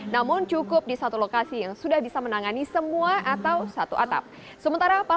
namun cukup di satu lokasi yang sudah bisa menangani semua atau satu atap sementara